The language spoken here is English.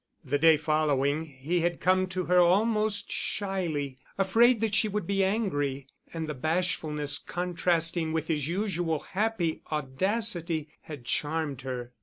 The day following he had come to her almost shyly, afraid that she would be angry, and the bashfulness contrasting with his usual happy audacity, had charmed her.